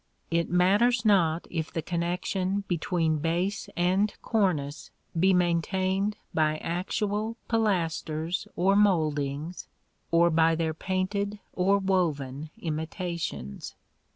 It matters not if the connection between base and cornice be maintained by actual pilasters or mouldings, or by their painted or woven imitations.